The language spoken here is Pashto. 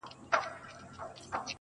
لوېدلی ستوری له مداره وځم.